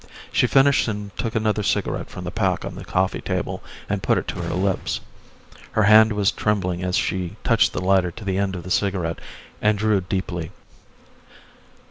She finished and took another cigarette from the pack on the coffee table and put it to her lips. Her hand was trembling as she touched the lighter to the end of the cigarette and drew deeply.